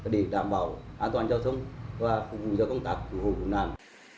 để đảm bảo an toàn giao thông và phục vụ do công tác của hồ quỳnh nam